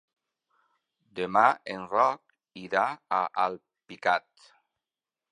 Demà en Roc irà a Alpicat.